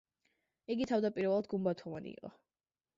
იგი თავდაპირველად გუმბათოვანი იყო.